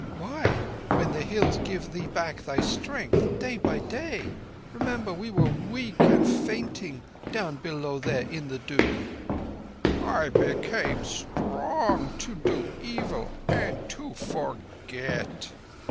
"Why? When the Hills give thee back thy strength day by day? Remember we were weak and fainting down below there in the Doon." "I became strong to do evil and to forget.